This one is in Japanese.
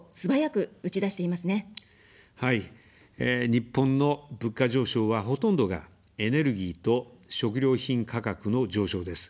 日本の物価上昇は、ほとんどがエネルギーと食料品価格の上昇です。